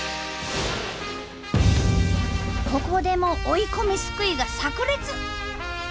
ここでも追い込みすくいがさく裂！